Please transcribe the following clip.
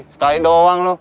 sekali doang lo